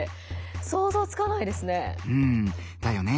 想像つかないですね。